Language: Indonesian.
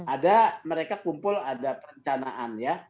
ada mereka kumpul ada perencanaan ya